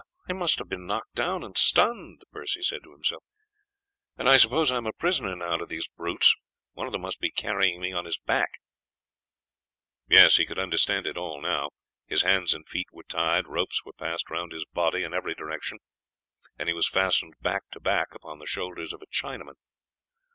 "I must have been knocked down and stunned," he said to himself, "and I suppose I am a prisoner now to these brutes, and one of them must be carrying me on his back." Yes, he could understand it all now. His hands and his feet were tied, ropes were passed round his body in every direction, and he was fastened back to back upon the shoulders of a Chinaman.